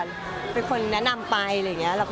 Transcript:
ก็คือพี่ที่อยู่เชียงใหม่พี่อธค่ะ